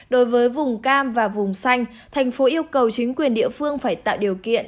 đối với vùng cam và vùng xanh thành phố yêu cầu chính quyền địa phương phải tạo điều kiện